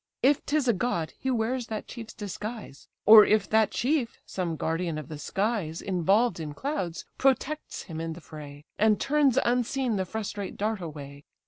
If 'tis a god, he wears that chief's disguise: Or if that chief, some guardian of the skies, Involved in clouds, protects him in the fray, And turns unseen the frustrate dart away.